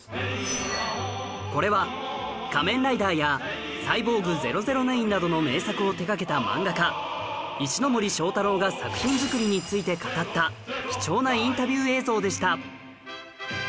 これは『仮面ライダー』や『サイボーグ００９』などの名作を手掛けた漫画家石森章太郎が作品作りについて語った貴重なインタビュー映像でした